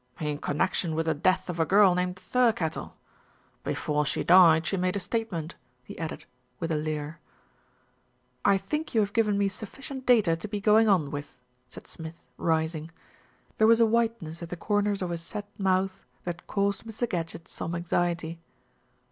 "In connection with the death of a girl named Thir kettle. Before she died she made a statement," he added, with a leer. "I think you have given me sufficient data to be going on with," said Smith, rising. There was a whiteness at the corners of his set mouth that caused Mr. Gadgett some anxiety.